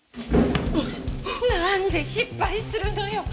なんで失敗するのよ。